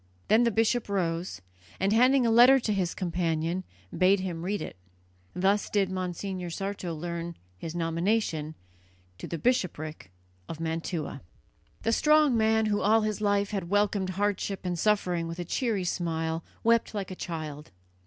Then the bishop rose, and, handing a letter to his companion, bade him read it. Thus did Monsignor Sarto learn his nomination to the bishopric of Mantua. The strong man who all his life long had welcomed hardship and suffering with a cheery smile, wept like a child.